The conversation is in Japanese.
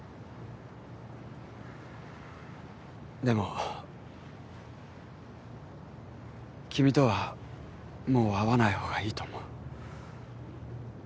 でも君とはもう会わない方がいいと思う。